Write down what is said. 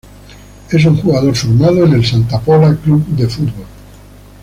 Es un jugador formado en el Santa Pola Club de Fútbol.